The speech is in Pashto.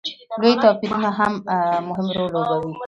لوی توپیرونه هم مهم رول لوبوي.